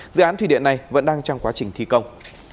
dự án thủy điện này vẫn đang trong quá trình thi công